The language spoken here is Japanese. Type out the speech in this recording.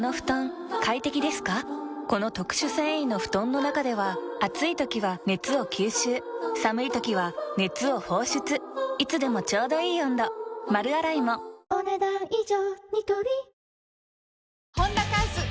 この特殊繊維の布団の中では暑い時は熱を吸収寒い時は熱を放出いつでもちょうどいい温度丸洗いもお、ねだん以上。